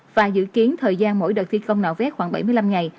và dự kiến thời gian mỗi đợt thi công nào phép khoảng bảy mươi năm ngày